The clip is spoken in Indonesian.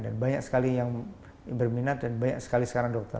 dan banyak sekali yang berminat dan banyak sekali sekarang dokter